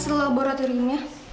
ini pak hasil laboratoriumnya